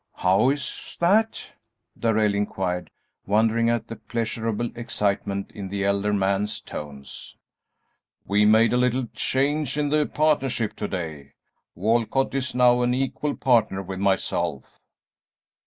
"How is that?" Darrell inquired, wondering at the pleasurable excitement in the elder man's tones. "We made a little change in the partnership to day: Walcott is now an equal partner with myself."